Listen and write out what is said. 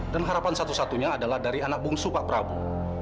harapan satu satunya adalah dari anak bungsu pak prabowo